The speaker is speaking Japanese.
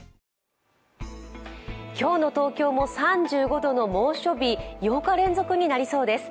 今日の東京も３５度の猛暑日８日連続になりそうです。